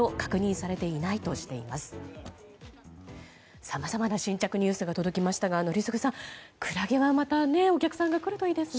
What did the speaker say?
さまざまな新着ニュースが届きましたが宜嗣さん、クラゲはまたお客さんが来ればいいですね。